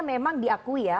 memang diakui ya